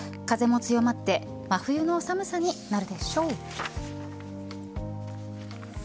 風が強まって真冬の寒さになるでしょう。